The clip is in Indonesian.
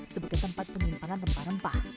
sebagai tempat penyimpanan rempah rempah